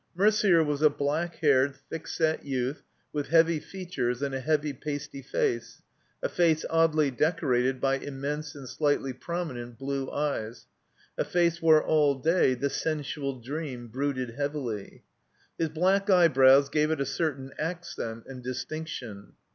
Merder was a black haired, thick set youth with heavy features in a heavy, pasty face, a face oddly decorated by immense and slightly prominent blue eyes, a face where all day long the sensual dream brooded heavily. His black eyebrows gave it a certain accent and distinction.